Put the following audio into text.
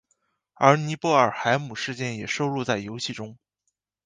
而尼布尔海姆事件也收录在游戏中。